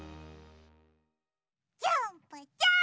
ジャンプジャーンプ！